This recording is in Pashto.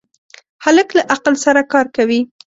هلک له عقل سره کار کوي.